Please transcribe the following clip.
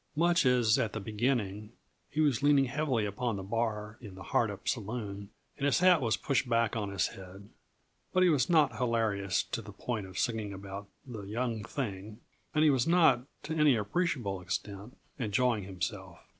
Much as at the beginning, he was leaning heavily upon the bar in the Hardup Saloon, and his hat was pushed back on his head; but he was not hilarious to the point of singing about "the young thing," and he was not, to any appreciable extent, enjoying himself.